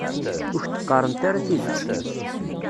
Ur k-d-qqarent ara tidet.